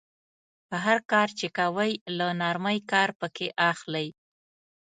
هر کار چې کوئ له نرمۍ کار پکې اخلئ.